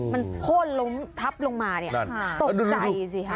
มันโค้นล้มทับลงมาเนี่ยตกใจสิค่ะ